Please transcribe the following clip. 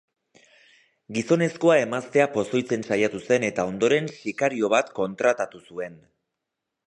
Gizonezkoa emaztea pozoitzen saiatu zen eta ondoren sikario bat kontratatu zuen.